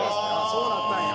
そうなったんや。